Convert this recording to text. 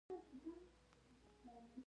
آیا د میلمه د تګ پر مهال ډالۍ نه ورکول کیږي؟